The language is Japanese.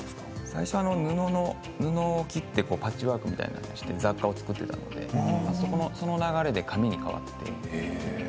最初は布を切ってパッチワークみたいにして雑貨を作っていたのでその流れで紙に変わりました。